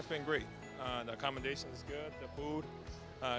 saya berjuang di national stadium selama enam belas tahun